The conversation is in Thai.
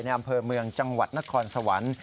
อำเภอเมืองจังหวัดนครสวรรค์